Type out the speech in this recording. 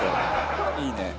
いいね。